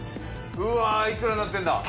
うわあいくらになってんだ？